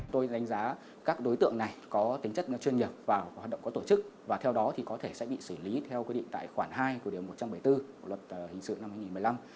tôi đánh giá các đối tượng này có tính chất chuyên nhập vào hoạt động có tổ chức và theo đó thì có thể sẽ bị xử lý theo quy định tại khoản hai của điều một trăm bảy mươi bốn luật hình sự năm hai nghìn một mươi năm